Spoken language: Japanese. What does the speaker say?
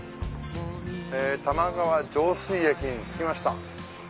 玉川上水駅に着きました。